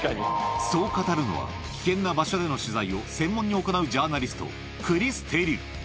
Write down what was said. そう語るのは、危険な場所での取材を専門に行うジャーナリスト、クリス・テリル。